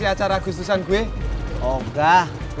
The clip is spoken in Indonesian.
dibawakan di barang pervedaan jouer hari ini